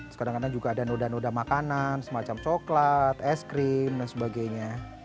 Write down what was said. sekadang kadang juga ada noda noda makanan semacam coklat es krim dan sebagainya